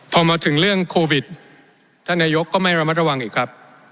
พอมาถึงเรื่องโควิดท่านนายกก็ไม่ระมัดระวังอีกครับ